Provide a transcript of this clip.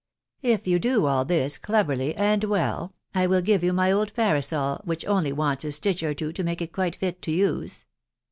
If you do all this cleverly and well, I will give you my old parasol, which only wants a stitch or two to make it quite fit to use."